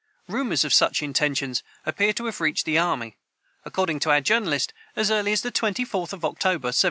Rumors of such intentions appear to have reached the army, according to our Journalist, as early as the 24th of October, 1775.